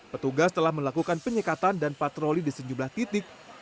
petugas telah melakukan penyekatan dan patroli di sejumlah titik